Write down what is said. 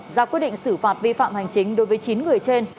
ra quyết định xử phạt vi phạm hành chính đối với chín người trên